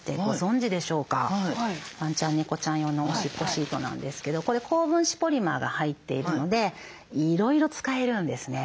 ワンちゃんネコちゃん用のおしっこシートなんですけどこれ高分子ポリマーが入っているのでいろいろ使えるんですね。